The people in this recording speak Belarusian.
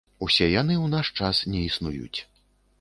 Усе яны ў наш час не існуюць.